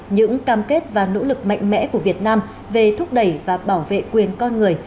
những cam kết và nỗ lực mạnh mẽ của việt nam về thúc đẩy và bảo vệ quyền con người